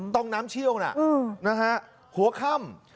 น้ำเชี่ยวนะหัวค่ำ